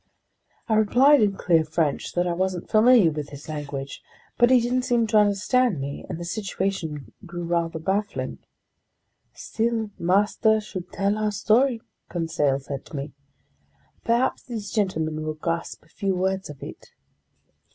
I replied in clear French that I wasn't familiar with his language; but he didn't seem to understand me, and the situation grew rather baffling. "Still, master should tell our story," Conseil said to me. "Perhaps these gentlemen will grasp a few words of it!"